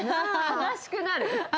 悲しくなる。